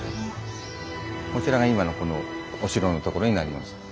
こちらが今のこのお城のところになります。